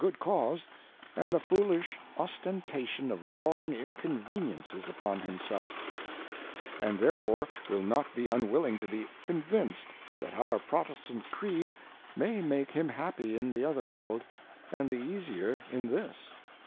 _gQod ,„„ Cause, and the foolish ostentation of dra wing in conv eniences n ppn JhiiTigp l f ; and therefore wIllTJoTbe uh wiliing to_b£j[;nnvinc',d j —— that our Protestant _Creed_may make him happy jua. the other j__^ World, and the easier in this.